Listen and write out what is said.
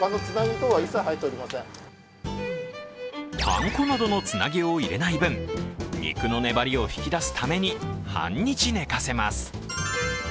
パン粉などのつなぎを入れない分、肉の粘りを引き出すために半日寝かせます。